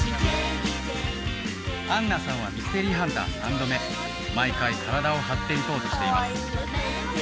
アンナさんはミステリーハンター３度目毎回体を張ってリポートしています